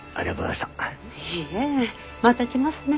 いえまた来ますね。